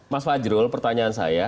mas fajrul pertanyaan saya